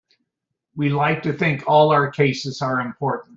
We like to think all our cases are important.